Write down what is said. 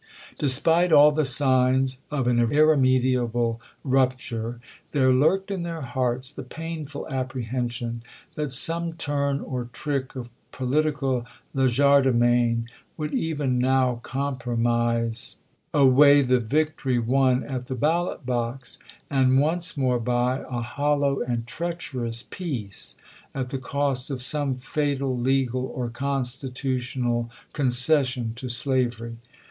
Despite all the signs of an irre mediable rupture, there lurked in their hearts the painful apprehension that some turn or trick of political legerdemain would even now compromise MAJOR THEODORF, WINTHKOP. THE ADVANCE 321 away the victory won at the ballot box, and once ch. xviii. more buy a hollow and treacherous peace at the cost of some fatal legal or constitutional concession to slavery.